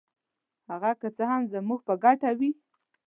هغه که څه هم زموږ په ګټه وي.